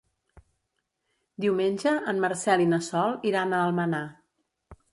Diumenge en Marcel i na Sol iran a Almenar.